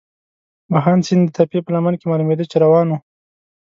بهاند سیند د تپې په لمن کې معلومېده، چې روان وو.